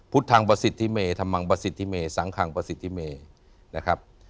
ทางประสิทธิเมธรรมังประสิทธิเมสังคังประสิทธิเมนะครับ